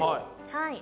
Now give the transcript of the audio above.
はい。